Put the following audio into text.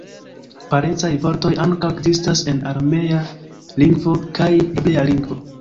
Parencaj vortoj ankaŭ ekzistas en aramea lingvo kaj hebrea lingvo.